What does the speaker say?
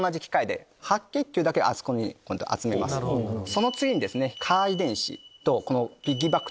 その次にですね。